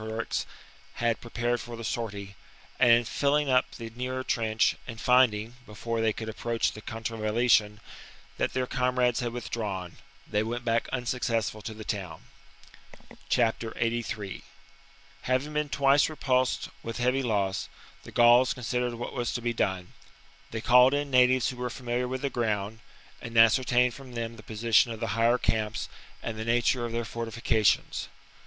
The besieged lost much time in bringing out the implements which Vercingetorix had prepared for the sortie, and in filling up the nearer trench^; and finding, before they could approach the contravallation, that their comrades had withdrawn, they went back unsuccessful to the town. 83. Having been twice repulsed with heavy loss, the Gauls considered what was to be done. They called in natives who were familiar with the ground, and ascertained from them the position of the higher camps and the nature of their fortifica tions.